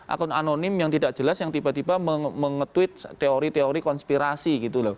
akun anonim yang tidak jelas yang tiba tiba mengetweet teori teori konspirasi